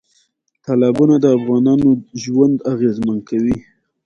تالابونه د افغانانو ژوند اغېزمن کوي.